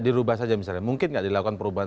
dirubah saja misalnya mungkin nggak dilakukan perubahan